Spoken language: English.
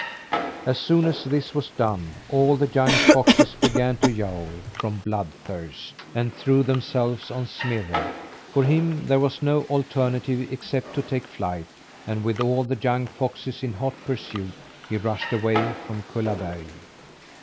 As soon as this was done, all the young foxes began to yowl from blood thirst, and threw themselves on Smirre. For him there was no alternative except to take flight; and with all the young foxes in hot pursuit, he rushed away from Kullaberg.